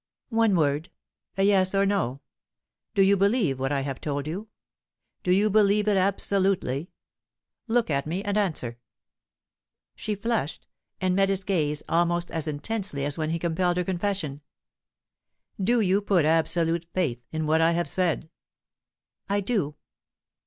"One word a yes or no. Do you believe what I have told you? Do you believe it absolutely? Look at me, and answer." She flushed, and met his gaze almost as intensely as when he compelled her confession. "Do you put absolute faith in what I have said?" "I do."